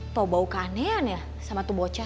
bau bau keanean ya sama tu bocah